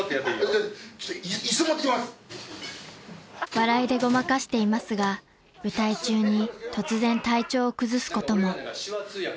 ［笑いでごまかしていますが舞台中に突然体調を崩すことも］